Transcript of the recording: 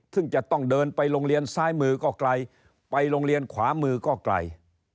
ซึ่งจะต้องเดินไปโรงเรียนซ้ายมือก็ไกลไปโรงเรียนขวามือก็ไกล